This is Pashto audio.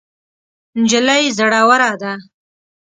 نجلۍ زړوره ده.